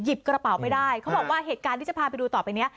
กระเป๋าไปได้เขาบอกว่าเหตุการณ์ที่จะพาไปดูต่อไปเนี้ย